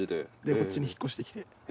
こっちに引っ越してきて。